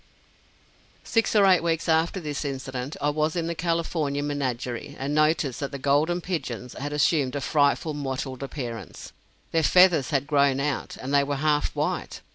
Six or eight weeks after this incident, I was in the California Menagerie, and noticed that the "Golden Pigeons" had assumed a frightfully mottled appearance. Their feathers had grown out, and they were half white.